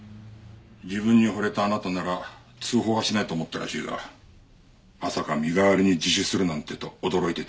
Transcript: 自分に惚れたあなたなら通報はしないと思ったらしいがまさか身代わりに自首するなんてと驚いてた。